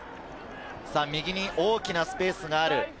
右に大きなスペースがある。